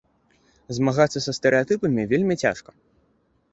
Змагацца са стэрэатыпамі вельмі цяжка.